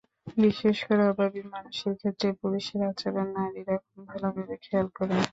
বিশেষ করে অভাবী মানুষের ক্ষেত্রে পুরুষের আচরণ নারীরা খুব ভালোভাবে খেয়াল করেন।